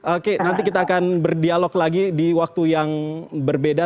oke nanti kita akan berdialog lagi di waktu yang berbeda